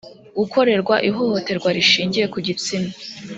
gukorerwa ihohoterwa rishingiye ku gitsina